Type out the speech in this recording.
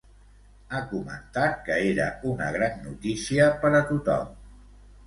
Ha comentat que era una gran notícia per a tothom.